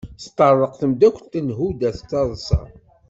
Teṭṭerḍeq temdakelt n Huda d taḍsa.